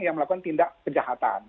yang melakukan tindak kejahatan